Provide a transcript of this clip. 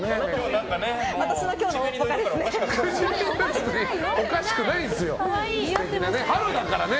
私の今日の大ぽかですね。